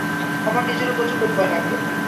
আমার নিজেরও প্রচণ্ড ভয় লাগল।